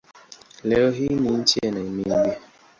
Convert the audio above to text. Leo hii ni nchi ya Namibia.